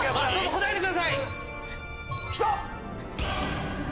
答えてください！